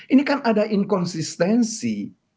ini kan ada inkonsistensi